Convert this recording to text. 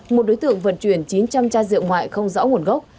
một đối tượng vận chuyển chín trăm linh chai rượu ngoại không rõ nguồn gốc